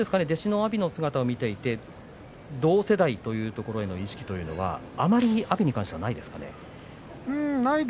弟子の阿炎の姿を見ていて同世代というところへの意識というのは阿炎に対してはないですね。